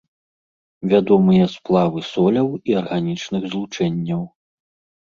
Вядомыя сплавы соляў і арганічных злучэнняў.